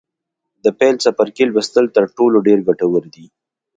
د پیل څپرکي لوستل تر ټولو ډېر ګټور دي.